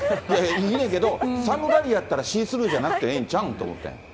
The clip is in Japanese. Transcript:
いいねんけど、寒がりやったらシースルーじゃなくてええんちゃうん、思ってん。